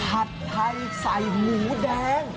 ผัดไทยใส่หมูแดง